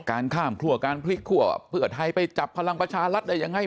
การข้ามคั่วการพลิกคั่วเพื่อไทยไปจับพลังประชารัฐได้ยังไง